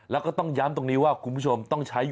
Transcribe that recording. แล้วก็ต้องย้ำตรงนี้ว่าคุณผู้ชมต้องใช้